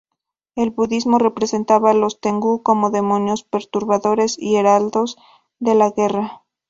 El budismo representaba a los "tengu" como demonios perturbadores y heraldos de la guerra.